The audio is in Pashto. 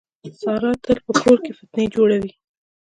ساره تل په کور کې فتنې جوړوي.